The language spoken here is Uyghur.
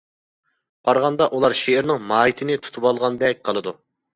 قارىغاندا ئۇلار شېئىرنىڭ ماھىيىتىنى تۇتۇۋالغاندەك قىلىدۇ.